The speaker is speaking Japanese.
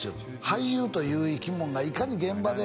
「俳優という生き物がいかに現場で」